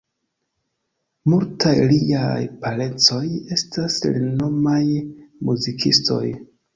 Multaj liaj parencoj estas renomaj muzikistoj.